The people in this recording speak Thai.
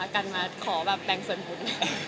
กันมาขอแบบแบ่งส่วนบุญ